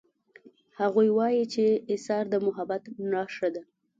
هغوی وایي چې ایثار د محبت نښه ده